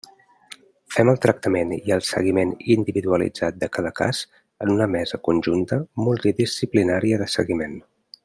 Fem el tractament i el seguiment individualitzat de cada cas en una mesa conjunta multidisciplinària de seguiment.